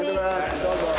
どうぞ。